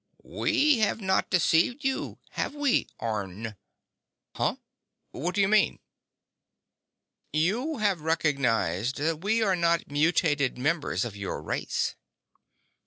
"We have not deceived you, have we, Orne?" "Huh? What do you mean?" "You have recognized that we are not mutated members of your race."